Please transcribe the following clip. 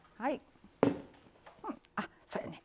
うんあっそうやね。